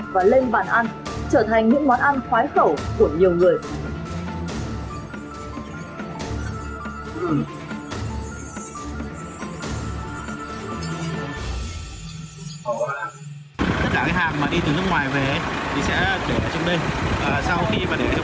và lên bàn ăn trở thành những món ăn khoái khẩu của nhiều người